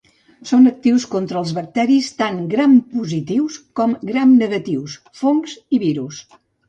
Són actius contra els bacteris tant grampositius com gramnegatius, fongs i virus.